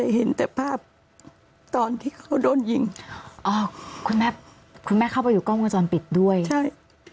แต่เห็นแต่ภาพตอนที่เขาโดนยิงคุณแม่เข้าไปอยู่ก้อมุมจรปิดด้วยใช่